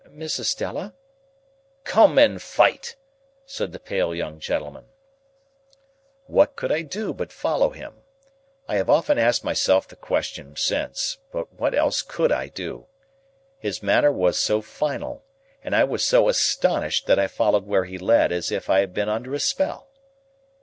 "Miss Estella." "Come and fight," said the pale young gentleman. What could I do but follow him? I have often asked myself the question since; but what else could I do? His manner was so final, and I was so astonished, that I followed where he led, as if I had been under a spell.